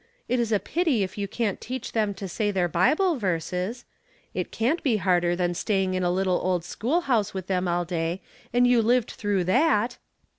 It is a pity if you can't teach them to say their Bible verses. It can't be harder than staying in a little old school house with them aU day, and you lived through that."